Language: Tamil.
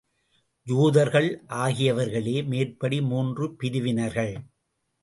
யூதர்கள் ஆகியவர்களே மேற்படி மூன்று பிரிவினர்கள்.